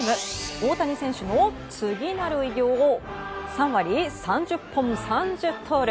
大谷選手の次なる偉業３割３０本３０盗塁。